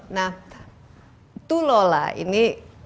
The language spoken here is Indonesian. nah tulola ini